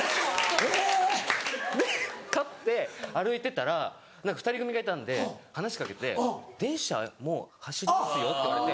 えぇ！で買って歩いてたら２人組がいたんで話しかけて「電車もう走ってますよ」って言われて。